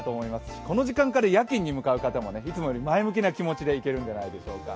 この時間から夜勤に向かう方も、いつもより前向きな気持ちで行けるんじゃないでしょうか。